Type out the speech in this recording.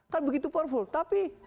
kan begitu powerful tapi